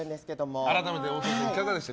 改めて大友さんいかがでした？